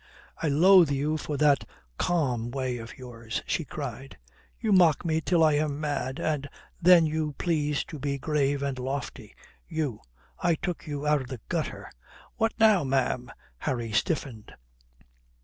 "I loathe you for that calm way of yours," she cried. "You mock me till I am mad, and then you please to be grave and lofty. You I took you out of the gutter." "What now, ma'am?" Harry stiffened.